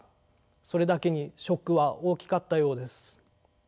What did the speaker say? それだけにショックは大きかったようです。